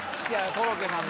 コロッケさんの。